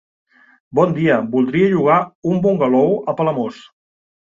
Bon dia, voldria llogar un bungalou a Palamós.